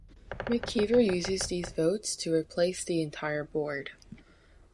McKeever uses these votes to replace the entire Board.